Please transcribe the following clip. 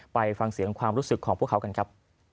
ไปฟังเสียงความรู้สึกของพวกเขากันครับ